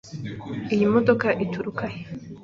Iyi modoka ituruka he?